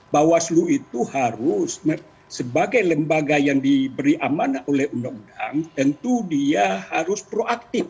bawaslu itu harus sebagai lembaga yang diberi amanah oleh undang undang tentu dia harus proaktif